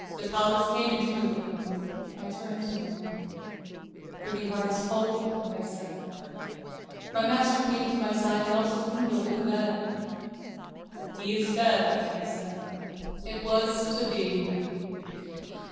Vitalis came into the room. I turned to him. "Pretty Heart is cold," I said. My master came to my side and also leaned over the bed. "He is dead," he said. "It was to be.